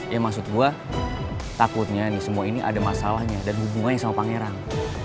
ya maksud gue takutnya nih semua ini ada masalahnya dan hubungannya sama pangeran